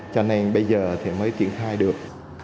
cho nên bây giờ thì mới triển khai được